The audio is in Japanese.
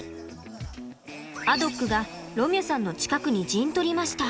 アドックがロミュさんの近くに陣取りました。